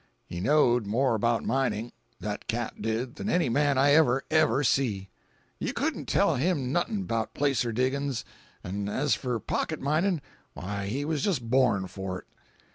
He knowed more about mining, that cat did, than any man I ever, ever see. You couldn't tell him noth'n 'bout placer diggin's—'n' as for pocket mining, why he was just born for it.